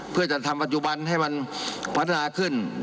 เพื่อจะทำปัจจุบันให้มันพัฒนาขึ้น